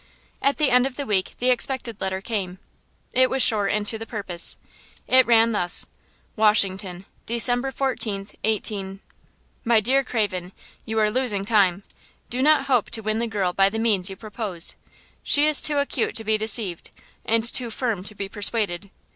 At the end of the week the expected letter came. It was short and to the purpose. It ran thus: Washington, Dec. 14, 18– MY DEAR CRAVEN–You are losing time. Do not hope to win the girl by the means you propose. She is too acute to be deceived, and too firm to be persuaded.